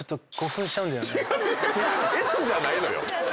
Ｓじゃないのよ！